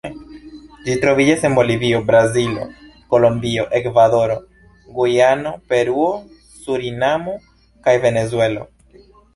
Ĝi troviĝas en Bolivio, Brazilo, Kolombio, Ekvadoro, Gujano, Peruo, Surinamo kaj Venezuelo.